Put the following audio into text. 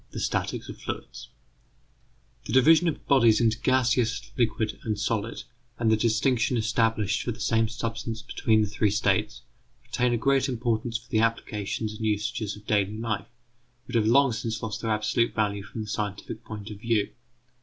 THE STATICS OF FLUIDS The division of bodies into gaseous, liquid, and solid, and the distinction established for the same substance between the three states, retain a great importance for the applications and usages of daily life, but have long since lost their absolute value from the scientific point of view.